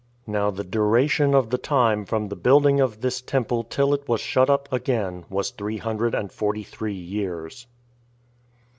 Now the duration of the time from the building of this temple till it was shut up again was three hundred and forty three years.